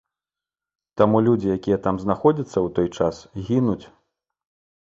Таму людзі, якія там знаходзяцца ў той час, гінуць.